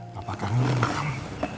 bapak kangen banget